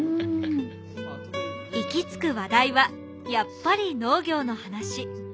行き着く話題はやっぱり農業の話。